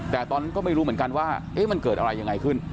แต่ตอนนั้นก็ไม่รู้เหมือนกันว่ามันเกิดอะไรยังไงขึ้น